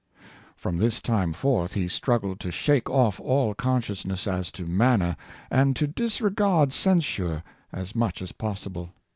From this time forth he struggled to shake off all conscious ness as to manner, and to disregard censure as much as possible.